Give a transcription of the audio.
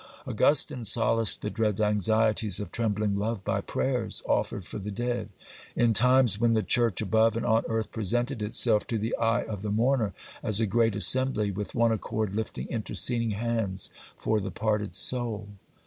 Augustine solaced the dread anxieties of trembling love by prayers offered for the dead, in times when the Church above and on earth presented itself to the eye of the mourner as a great assembly with one accord lifting interceding hands for the parted soul.